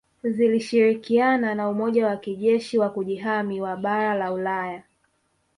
Zilishirikiana na Umoja wa kijeshi wa Kujihami wa bara la Ulaya